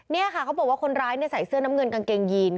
นี่ค่ะเขาบอกว่าคนร้ายใส่เสื้อน้ำเงินกางเกงยีน